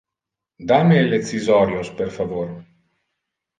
Da me le cisorios, per favor.